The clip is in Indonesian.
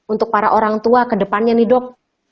untuk para orang tua kedepannya nih dok